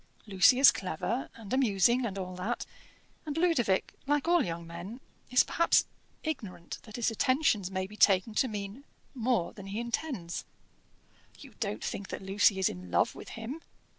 Lucy is clever, and amusing, and all that; and Ludovic, like all young men, is perhaps ignorant that his attentions may be taken to mean more than he intends " "You don't think that Lucy is in love with him?"